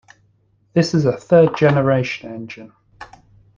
This is a third-generation engine.